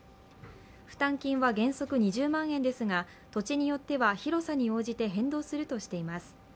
負担金は原則２０万円ですが土地によっては広さに応じて変動するとしています。